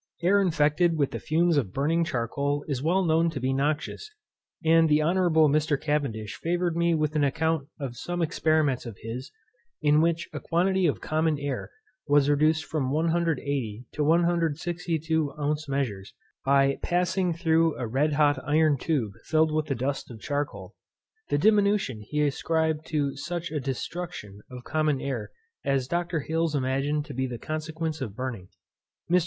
_ Air infected with the fumes of burning charcoal is well known to be noxious; and the Honourable Mr. Cavendish favoured me with an account of some experiments of his, in which a quantity of common air was reduced from 180 to 162 ounce measures, by passing through a red hot iron tube filled with the dust of charcoal. This diminution he ascribed to such a destruction of common air as Dr. Hales imagined to be the consequence of burning. Mr.